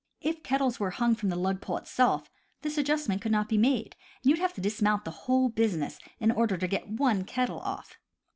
If kettles were hung from the lug pole itself, this adjustment could not be made, and you would have to dismount the whole business in order to get one kettle off.